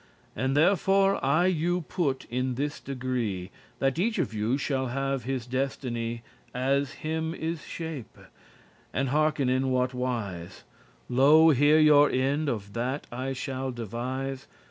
And therefore I you put in this degree, That each of you shall have his destiny As *him is shape*; and hearken in what wise *as is decreed for him* Lo hear your end of that I shall devise.